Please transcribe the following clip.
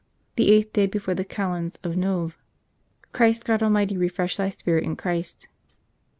. The eighth day before the calends of Nov. Christ God Almighty refresh thy spirit in Christ."